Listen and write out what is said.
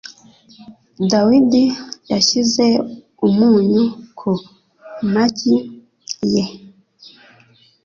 Dawidi yashyize umunyu ku magi ye.